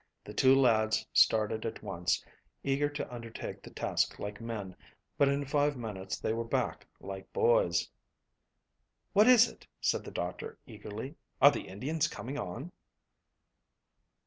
The two lads started at once, eager to undertake the task like men, but in five minutes they were back like boys. "What is it?" said the doctor eagerly. "Are the Indians coming on?"